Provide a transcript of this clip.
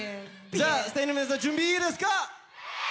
じゃあＳＴＡＹの皆さん準備いいですか？